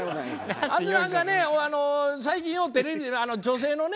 あとなんかねあの最近ようテレビで見る女性のね